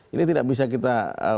ini tidak bisa kita